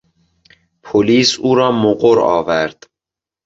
پلیس او را مقر آورد.